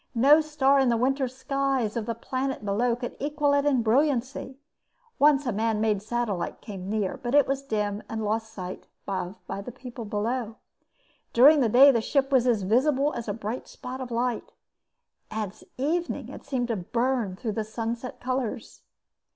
No star in the winter skies of the planet below could equal it in brilliancy. Once a man made satellite came near but it was dim and was lost sight of by the people below. During the day the ship was visible as a bright spot of light. At evening it seemed to burn through the sunset colors.